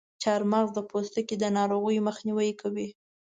چارمغز د پوستکي د ناروغیو مخنیوی کوي.